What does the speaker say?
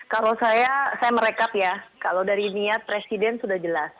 kalau saya saya merekap ya kalau dari niat presiden sudah jelas